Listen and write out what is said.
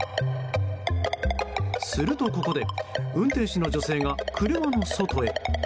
するとここで運転手の女性が車の外へ。